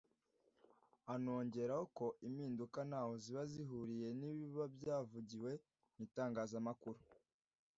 anongeraho ko impinduka ntaho ziba zihuriye n'ibiba byavugiwe mu itangazamakuru